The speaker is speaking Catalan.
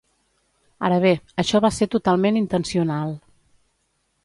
Ara bé, això va ser totalment intencional.